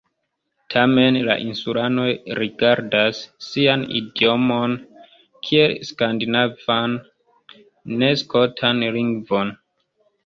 Tamen, la insulanoj rigardas sian idiomon kiel skandinavan, ne skotan lingvon.